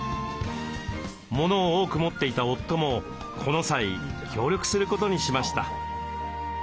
モノを多く持っていた夫もこの際協力することにしました。